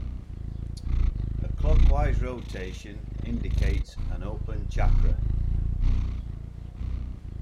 A clockwise rotation indicates an open chakra.